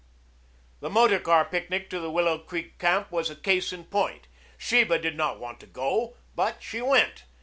The motor car picnic to the Willow Creek Camp was a case in point. Sheba did not want to go, but she went.